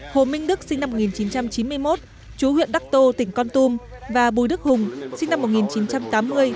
hồ minh đức sinh năm một nghìn chín trăm chín mươi một chú huyện đắc tô tỉnh con tum và bùi đức hùng sinh năm một nghìn chín trăm tám mươi